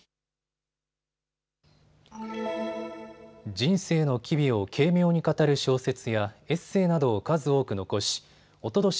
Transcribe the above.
人生の機微を軽妙に語る小説やエッセーなどを数多く残しおととし